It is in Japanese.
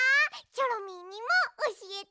チョロミーにもおしえて！